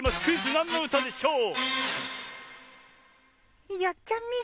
「なんのうたでしょう」！